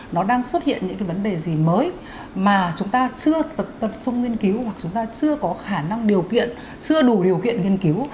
nó đang xuất hiện những cái vấn đề gì mới mà chúng ta chưa tập trung nghiên cứu hoặc chúng ta chưa có khả năng điều kiện chưa đủ điều kiện nghiên cứu